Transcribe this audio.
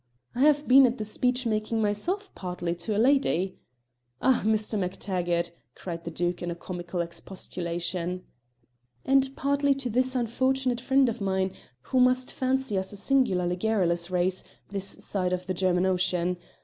"I have been at the speech making myself, partly to a lady." "Ah, Mr. MacTaggart!" cried the Duke in a comical expostulation. "And partly to this unfortunate friend of mine, who must fancy us a singularly garrulous race this side of the German Ocean.